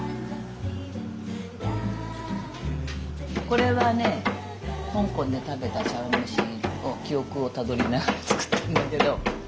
これはね香港で食べた茶碗蒸しの記憶をたどりながら作ってるんだけど。